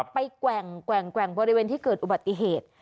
แกว่งบริเวณที่เกิดอุบัติเหตุ